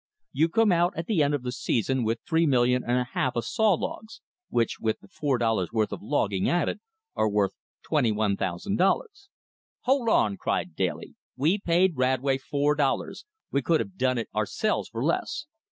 "You come out at the end of the season with three million and a half of saw logs, which with the four dollars' worth of logging added, are worth twenty one thousand dollars." "Hold on!" cried Daly, "we paid Radway four dollars; we could have done it ourselves for less."